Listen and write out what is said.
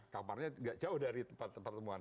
kamarnya tidak jauh dari tempat pertemuan